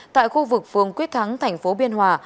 tại khu vực phường quyết thắng thành phố biên hòa